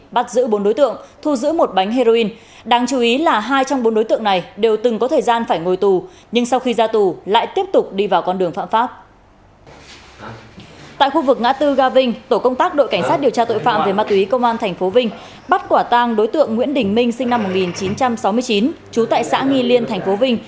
bắt quả tang đối tượng nguyễn đình minh sinh năm một nghìn chín trăm sáu mươi chín chú tại xã nghi liên thành phố vinh